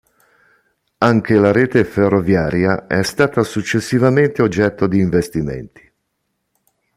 Anche la rete ferroviaria è stata successivamente oggetto di investimenti.